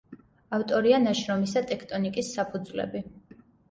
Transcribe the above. ავტორია ნაშრომისა „ტექტონიკის საფუძვლები“.